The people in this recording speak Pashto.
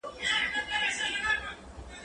زه به سبا ونې ته اوبه ورکوم؟!